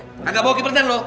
kagak bogi pertanian lo